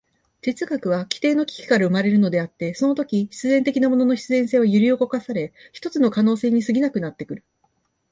哲学は基底の危機から生まれるのであって、そのとき必然的なものの必然性は揺り動かされ、ひとつの可能性に過ぎなくなってくる。